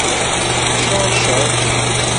Ceṛceṛ.